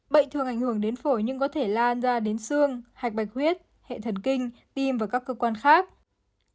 bệnh thường ảnh hưởng đến phổi nhưng có thể lan ra đến xương hạch bạch huyết hệ thần kinh tim và các cơ quan khác